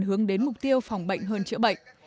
hướng đến mục tiêu phòng bệnh hơn chữa bệnh